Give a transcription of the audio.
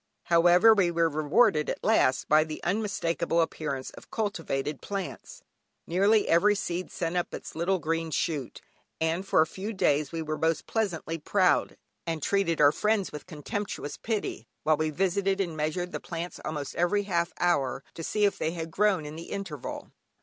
However, we were rewarded at last by the unmistakable appearance of cultivated plants. Nearly every seed sent up its little green shoot, and for a few days we were most unpleasantly proud, and treated our friends with contemptuous pity, while we visited and measured the plants almost every half hour, to see if they had grown in the interval.